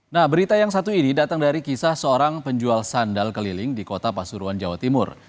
nah berita yang satu ini datang dari kisah seorang penjual sandal keliling di kota pasuruan jawa timur